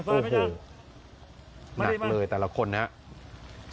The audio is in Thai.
โอ้โหหนักเลยแต่ละคนนะครับ